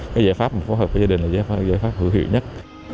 cái giải pháp mà phối hợp với gia đình là giải pháp hữu hiệu nhất